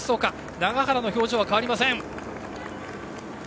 永原の表情は変わりません。